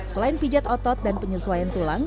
selain pijat otot dan penyesuaian tulang